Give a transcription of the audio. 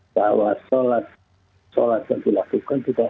bahwa sholat yang dilakukan tidak